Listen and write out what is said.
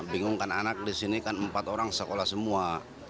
bingung kan anak di sini kan empat orang sekolah semua